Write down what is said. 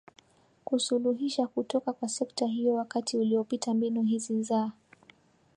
kusuluhisha kutoka kwa sekta hiyo Wakati uliopita mbinu hizi za